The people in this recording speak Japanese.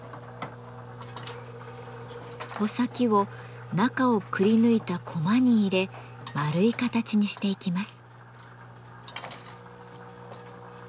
穂先を中をくりぬいたコマに入れ丸い形にしていきます。